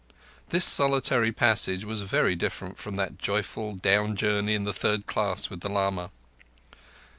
This solitary passage was very different from that joyful down journey in the third class with the lama.